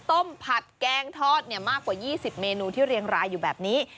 ผัดแกงทอดมากกว่า๒๐เมนูที่เรียงรายอยู่แบบนี้